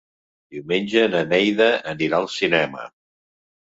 Diumenge na Neida anirà al cinema.